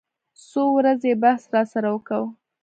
څو ورځې يې بحث راسره وکو.